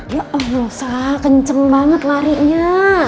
ya avenue ebah kenceng banget larinya